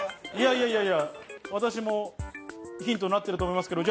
いやいやいや、私もヒントになっていると思いますけど。